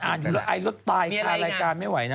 อยู่แล้วไอรถตายคารายการไม่ไหวนะ